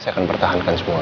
saya akan pertahankan semuanya